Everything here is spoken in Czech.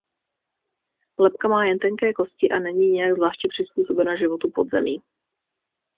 Lebka má jen tenké kosti a není nijak zvláště přizpůsobena životu pod zemí.